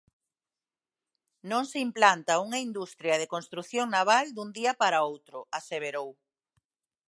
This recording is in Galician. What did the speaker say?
"Non se implanta unha industria de construción naval dun día para outro", aseverou.